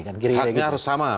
haknya harus sama